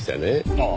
ああ。